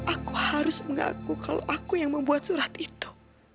aku harus mengaku kalau aku yang membuat surat itu